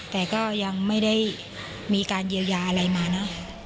แต่ก็ยังไม่ได้มีการเยียวยาอะไรมาเนอะ